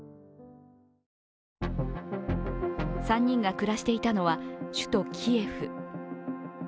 ３人が暮らしていたのは首都キエフ。